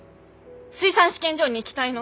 水産試験場に行きたいの！